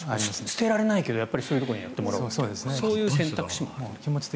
捨てられないけどそういうところにやってもらうそういう選択肢もある。